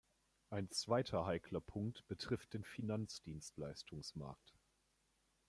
Ein zweiter heikler Punkt betrifft den Finanzdienstleistungsmarkt.